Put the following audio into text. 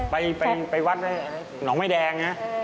ไปวัดหนองไม้แดงนะ